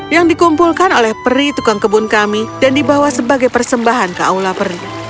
yang dikumpulkan oleh peri tukang kebun kami dan dibawa sebagai persembahan ke aula peri